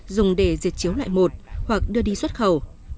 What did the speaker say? dùng để diệt chiếu loại một hoặc đưa đi xuất khẩu